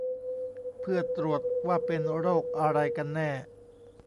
เพื่อตรวจว่าเป็นโรคอะไรกันแน่